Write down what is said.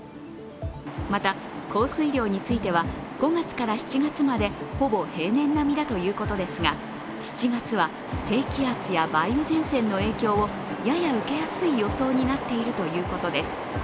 また降水量については、５月から７月までほぼ平年並みだということですが、７月は低気圧や梅雨前線の影響をやや受けやすい予想になっているということです。